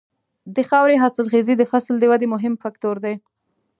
د خاورې حاصلخېزي د فصل د ودې مهم فکتور دی.